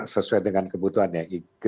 sesuai dengan kebutuhannya